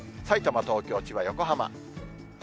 さいたま、東京、千葉、横浜。